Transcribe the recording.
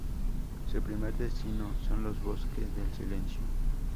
Su primer destino son los Bosque del Silencio.